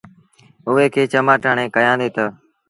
اُئي کي چمآٽ هڻي ڪهيآندي تا